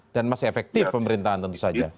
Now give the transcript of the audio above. dan masih efektif pemerintahan tentu saja